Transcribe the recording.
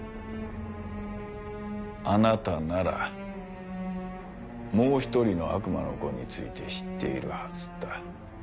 あなたならもう一人の悪魔の子について知っているはずだ。